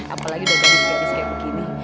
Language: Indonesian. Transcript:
apalagi udah gadis gadis kayak begini